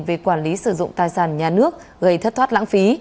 về quản lý sử dụng tài sản nhà nước gây thất thoát lãng phí